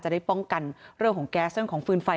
ได้ป้องกันเรื่องของแก๊สเรื่องของฟืนไฟ